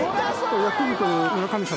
ヤクルトの村神様。